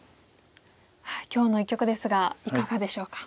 今日の一局ですがいかがでしょうか？